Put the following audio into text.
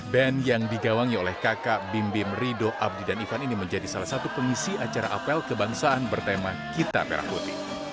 band yang digawangi oleh kakak bim bim rido abdi dan ivan ini menjadi salah satu pengisi acara apel kebangsaan bertema kita merah putih